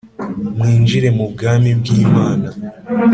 mwinjire mu Bwami bw Imana.